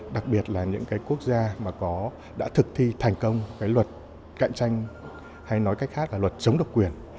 đặc biệt là những quốc gia đã thực thi thành công luật cạnh tranh hay nói cách khác là luật chống độc quyền